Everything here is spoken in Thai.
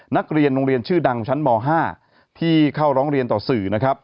นักเรียนโรงเรียนชื่อดังชั้นม๕ที่เข้าร้องเรียนต่อสื่อนะครับ